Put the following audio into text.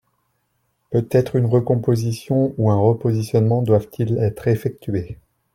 Peut-être une recomposition ou un repositionnement doivent-ils être effectués.